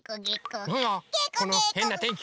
なんだこのへんなてんき。